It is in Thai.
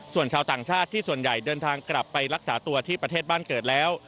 ส่วนชาวต่างชาติที่ส่วนใหญ่เดินทางกลับไปรักษาตัวที่ประเทศบ้านเกิดแล้ว